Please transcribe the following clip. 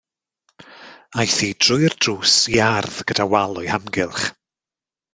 Aeth hi drwy'r drws i ardd gyda wal o'i hamgylch.